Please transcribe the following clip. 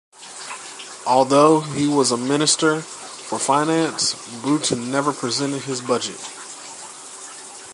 Although he was Minister for Finance, Bruton never presented his Budget.